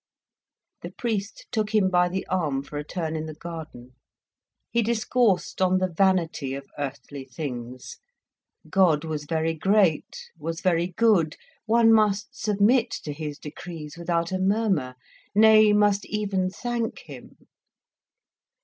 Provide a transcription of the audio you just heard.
The priest took him by the arm for a turn in the garden. He discoursed on the vanity of earthly things. God was very great, was very good: one must submit to his decrees without a murmur; nay, must even thank him.